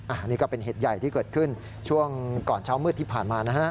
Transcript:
อันนี้ก็เป็นเหตุใหญ่ที่เกิดขึ้นช่วงก่อนเช้ามืดที่ผ่านมานะฮะ